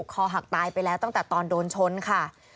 คอหักตายไปตัวตอนโดนชนค่ะ